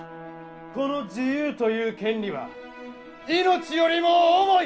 この自由という権利は命よりも重い！